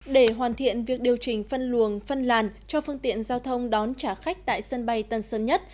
để hoàn thiện việc điều chỉnh phân luồng phân làn cho phương tiện giao thông đón trả khách tại sân bay tân sơn nhất